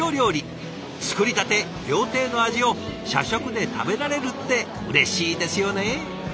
作りたて料亭の味を社食で食べられるってうれしいですよね。